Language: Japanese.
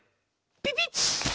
ピピッ！